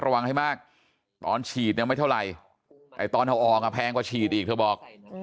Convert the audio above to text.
ระวังให้มากตอนฉีดไม่เท่าไหร่แต่ตอนออกแอ้งกว่าฉีดอีก